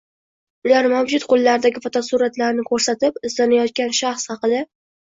Ular mavjud qo‘llaridagi fotosuratlarni ko‘rsatib, izlanayotgan shaxs haqida